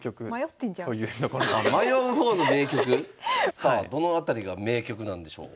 さあどの辺りが迷局なんでしょう？